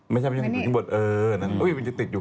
ไม่ใช่ไม่ใช่บทเอออุ๊ยมันจะติดอยู่